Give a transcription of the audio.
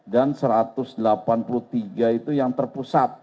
dan satu ratus delapan puluh tiga itu yang termusat